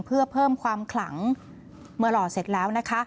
เพื่อเพิ่มความขลังเมื่อหล่อเสร็จแล้วนะคะ